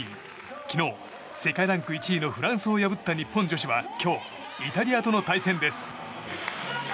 昨日、世界ランク１位のフランスを破った日本女子は今日、イタリアとの対戦です。